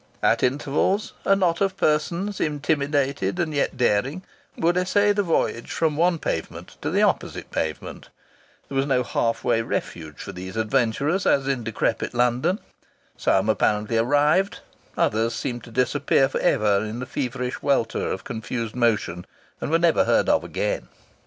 At intervals a knot of persons, intimidated and yet daring, would essay the voyage from one pavement to the opposite pavement; there was no half way refuge for these adventurers, as in decrepit London; some apparently arrived; others seemed to disappear for ever in the feverish welter of confused motion and were never heard of again.